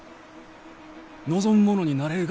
望む者になれるがやき！